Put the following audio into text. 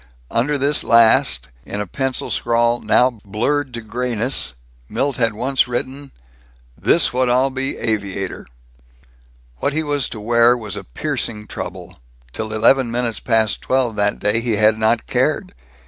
Under this last, in a pencil scrawl now blurred to grayness, Milt had once written, "This what Ill be aviator." What he was to wear was a piercing trouble. Till eleven minutes past twelve that day he had not cared.